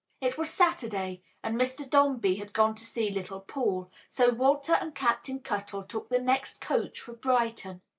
It was Saturday, and Mr. Dombey had gone to see little Paul, so Walter and Captain Cuttle took the next coach for Brighton.